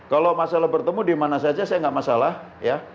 kalau masalah bertemu dimana saja saya nggak masalah ya